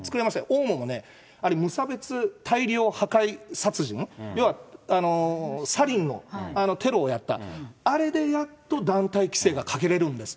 オウムもあれ、無差別大量破壊殺人、要は、サリンのテロをやった、あれでやっと団体規制がかけれるんです。